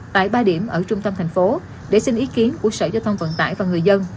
tại ba điểm ở trung tâm thành phố để xin ý kiến của sở giao thông vận tải và người dân